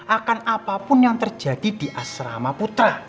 akan apapun yang terjadi di asrama putra